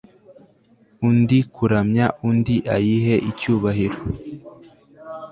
Undi kuramya undi ayihe icyubahiro